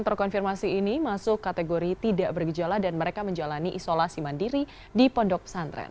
terkonfirmasi ini masuk kategori tidak bergejala dan mereka menjalani isolasi mandiri di pondok pesantren